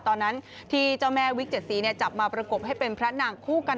ตอนนั้นที่เจ้าแม่วิกเจ็ดสีจับมาประกบให้เป็นพระนางคู่กัน